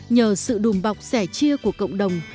nhờ sự đùm bọc rẻ chia của cộng đồng